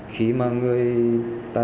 khi mà người ta